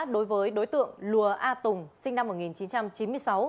đối với đối tượng lùa a tùng sinh năm một nghìn chín trăm chín mươi sáu